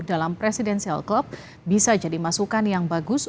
dalam presidensial club bisa jadi masukan yang bagus